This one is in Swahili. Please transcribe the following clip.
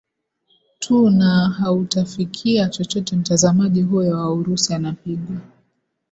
tu na hautafikia chochote Mtazamaji huyo wa Urusi anapigwa